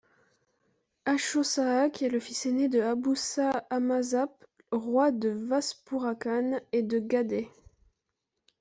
Achot-Sahak est le fils aîné de Abousahl-Hamazasp, roi de Vaspourakan, et de Gaday.